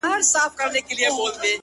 د شېخانو د ټگانو ـ د محل جنکۍ واوره ـ